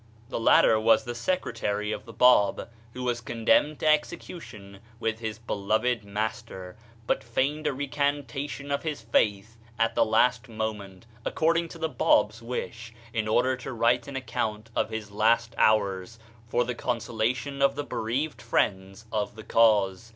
The lat ter was the secretary of the Bab, who was con demned to execution with his beloved master, but feigned a recantation of his faith at the last moment, according to the Bab's wish, in order to write an account of his last hours, for the consolation of the bereaved friends of the cause.